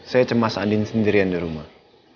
saya cemas adin sendirian di rumah